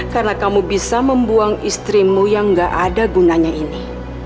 karena kamu bisa membuang istrimu yang nggak ada gunanya ini